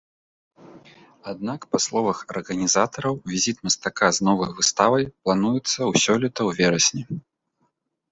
Аднак, па словах арганізатараў, візіт мастака з новай выставай плануецца ў сёлета ў верасні.